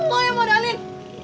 lo yang modalin